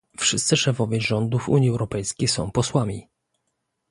Wszyscy szefowie rządów Unii Europejskiej są posłami